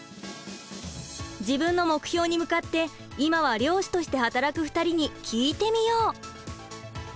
自分の目標に向かって今は漁師として働く２人に聞いてみよう！